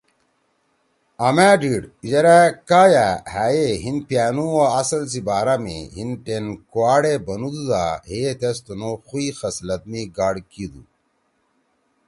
آں مأ ڈیڑ یرأ کا یأ ہأ ئے ہیِن پیانُو او اصل سی بارا می ہیِن ٹین کُواڑے بنُودُودا ہئے تیس تُنُو خُوئی خصلت می گاڑ کیِدُو۔